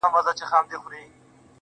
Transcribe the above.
ساقي خراب تراب مي کړه نڅېږم به زه.